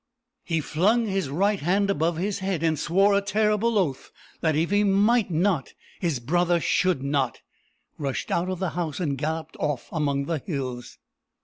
He flung his right hand above his head, swore a terrible oath that if he might not, his brother should not, rushed out of the house, and galloped off among the hills.